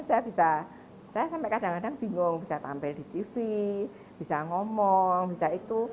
tapi dia juga memang manja